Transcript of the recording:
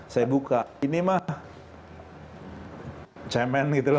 saya buka ini mah cemen gitu loh